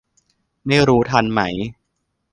ไม่รู้ทันไหม